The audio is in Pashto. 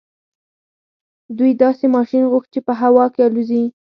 دوی داسې ماشين غوښت چې په هوا کې الوځي.